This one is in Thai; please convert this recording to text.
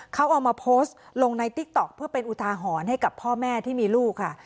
เขาเอามาโพสต์ลงในติ๊กต๊อกเพื่อเป็นอุทาหรณ์ให้กับพ่อแม่ที่มีลูกค่ะ